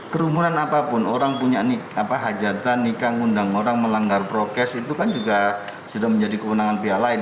kerumunan apapun orang punya hajatan nikah ngundang orang melanggar prokes itu kan juga sudah menjadi kewenangan pihak lain